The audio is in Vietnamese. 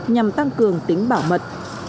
nhằm tăng cường tính bảo mật